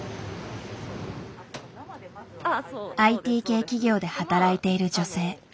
ＩＴ系企業で働いている女性。